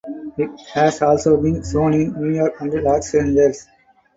It has also been shown in New York and Los Angeles.